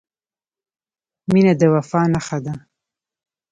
• مینه د وفا نښه ده.